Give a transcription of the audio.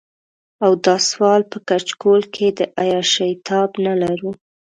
او د سوال په کچکول کې د عياشۍ تاب نه لرو.